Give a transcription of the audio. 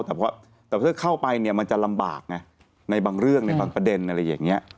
แต่ถ้าเข้าไปเนี่ยมันจะลำบากไงในบางเรื่องในบางประเด็นอะไรอย่างนี้